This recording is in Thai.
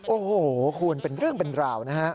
โอ้โหคุณเป็นเรื่องเป็นราวนะฮะ